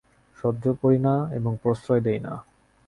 সহ্য করি না এবং প্রশ্রয় দিই না।